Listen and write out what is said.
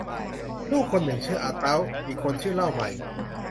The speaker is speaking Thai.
ลูกคนหนึ่งชื่ออาเต๊า อีกคนชื่อเล่าใหม่